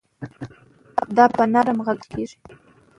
دا په نرم غږ وېل کېږي.